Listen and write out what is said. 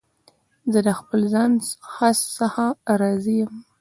زه د خپل ځان څخه راضي یم.